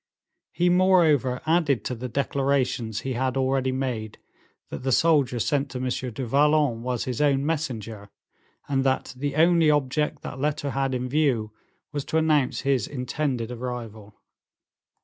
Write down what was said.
He moreover added to the declarations he had already made, that the soldier sent to M. du Vallon was his own messenger, and that the only object that letter had in view was to announce his intended arrival.